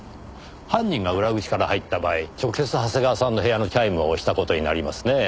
犯人が裏口から入った場合直接長谷川さんの部屋のチャイムを押した事になりますねぇ。